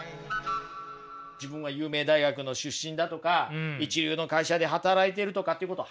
自分は有名大学の出身だとか一流の会社で働いてるとかっていうことを鼻にかける人いるじゃないですか。